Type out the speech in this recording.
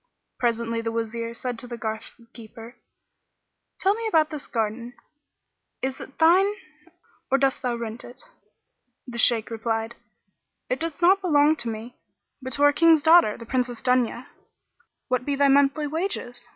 Presently the Wazir said to the garth keeper, "Tell me about this garden: is it thine or dost thou rent it?" The Shaykh replied, "It doth not belong to me, but to our King's daughter, the Princess Dunya." "What be thy monthly wages?"